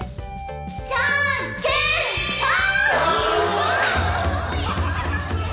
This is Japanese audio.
じゃんけんぽん！！